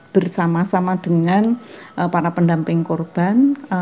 bersama sama dengan para pendamping korban